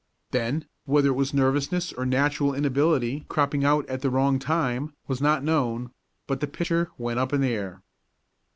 Then, whether it was nervousness or natural inability cropping out at the wrong time, was not known, but the pitcher "went up in the air."